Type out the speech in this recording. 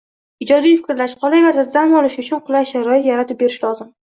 Ijodiy fikrlash, qolaversa dam olish uchun qulay sharoit yaratib berish lozim